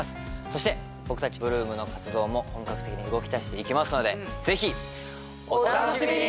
そして僕たち８ＬＯＯＭの活動も本格的に動きだしていきますのでぜひお楽しみに！